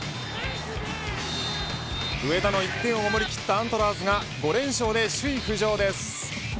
上田の１点を守りきったアントラーズが５連勝で首位浮上です。